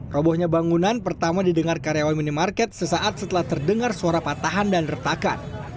robohnya bangunan pertama didengar karyawan minimarket sesaat setelah terdengar suara patahan dan retakan